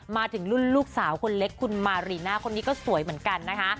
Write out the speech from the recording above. มาถึงรุ่นลูกสาวคนเล็กคุณมารีน่าคนนี้ก็สวยเหมือนกันนะคะ